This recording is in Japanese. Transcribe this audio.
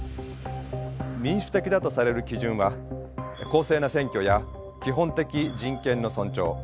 民主的だとされる基準は公正な選挙や基本的人権の尊重